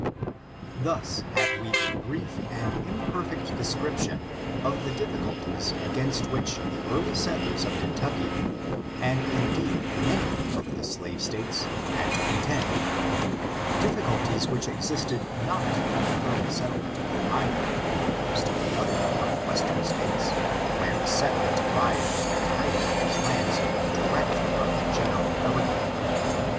Thus have we a brief and imperfect description of the difficulties against which the early settlers of Kentucky, and, indeed, many of the slave States, had to contend — difficulties which existed not in the early ON ABOLITIONISM. 481 eetUeinent of Ohio, and most of the other north western States, where the settler derived the title of his lands direct from the general government.